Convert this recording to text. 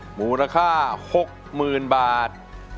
มูลค่า๖๐๐๐๐บาท